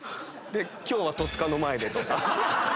今日は戸塚の前でとか。